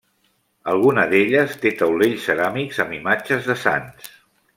Alguna d'elles té taulells ceràmics amb imatges de sants.